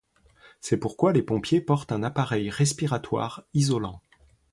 C'est pourquoi les pompiers portent un appareil respiratoire isolant.